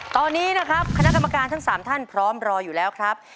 ตอนนี้นะครับคณะกรรมการทั้ง๓ท่านพร้อมรออยู่แล้วครับ